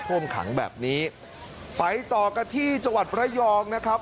มขังแบบนี้ไปต่อกันที่จังหวัดระยองนะครับ